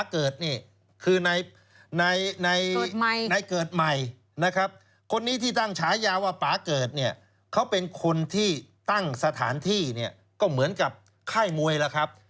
เขาเป็นคนที่ตั้งสถานที่เนี่ยก็เหมือนกับไข้มวยล่ะครับ